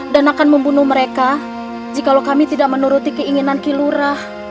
dan akan membunuh mereka jikalau kami tidak menuruti keinginan kilurah